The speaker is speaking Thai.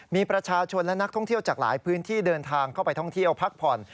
มีประชาชนและนักท่องเที่ยวจากหลายพื้นที่เดินทางเข้าไปท่องเที่ยวพักผ่อน